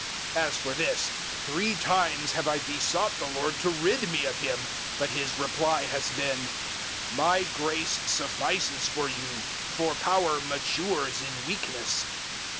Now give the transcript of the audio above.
012:008 As for this, three times have I besought the Lord to rid me of him; 012:009 but His reply has been, "My grace suffices for you, for power matures in weakness."